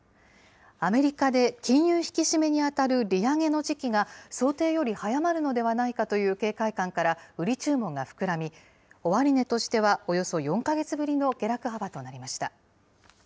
アメリカで金融引き締めに当たる利上げの時期が想定より早まるのではないかという警戒感から、売り注文が膨らみ、終値としてはおよそ４か月ぶりの下落幅となりました。